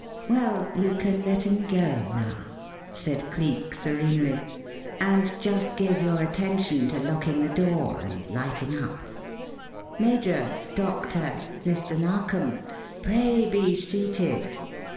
"Well, you can let him go now," said Cleek, serenely. "And just give your attention to locking the door and lighting up. Major, Doctor, Mr. Narkom, pray be seated.